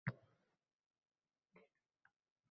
— Janob falonchi? Tasdiq ma’nosida bosh egdim.